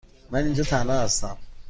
من اینجا تنها هستم.